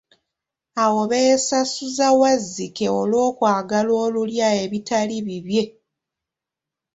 Awo beesasuza Wazzike olw’okwagala olulya ebitali bibye.